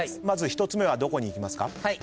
まず１つ目はどこにいきますか？